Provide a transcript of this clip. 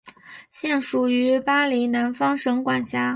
现属于巴林南方省管辖。